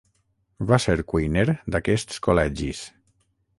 Va ser cuiner d'aquests col·legis.